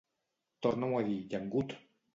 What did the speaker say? Torna-m'ho a dir, llengut!